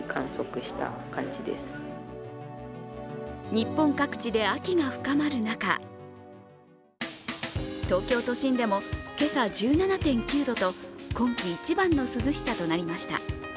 日本各地で秋が深まる中、東京都心でも今朝１７．９度と今季一番の涼しさとなりました。